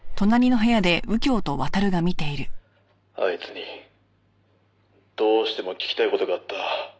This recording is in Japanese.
「あいつにどうしても聞きたい事があった」